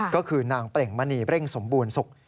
ก็คือนางเปล่งมณีเร่งสมบูรณ์สุข